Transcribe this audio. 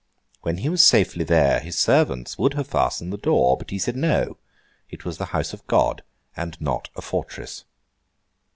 When he was safely there, his servants would have fastened the door, but he said No! it was the house of God and not a fortress.